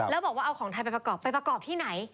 แล้วบอกว่าเอาของไทยไปประกอบไปประกอบที่ไหน